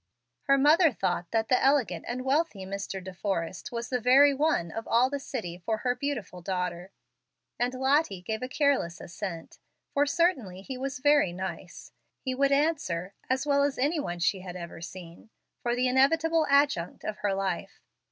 Her mother thought that the elegant and wealthy Mr. De Forrest was the very one of all the city for her beautiful daughter, and Lottie gave a careless assent, for certainly he was "very nice." He would answer, as well as any one she had ever seen, for the inevitable adjunct of her life.